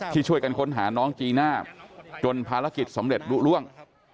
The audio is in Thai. ช่วยกันค้นหาน้องจีน่าจนภารกิจสำเร็จลุล่วง